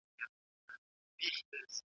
محتسب چي له قمچیني سره راسي